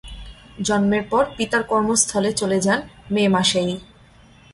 জন্মের পর পিতার কর্মস্থলে চলে যান মে মাসেই।